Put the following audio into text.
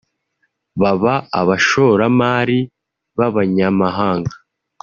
baba abashoramari b’abanyamahanga